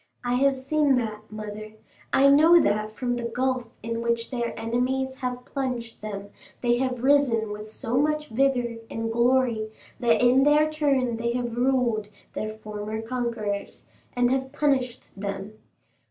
I have seen that, mother; I know that from the gulf in which their enemies have plunged them they have risen with so much vigor and glory that in their turn they have ruled their former conquerors, and have punished them.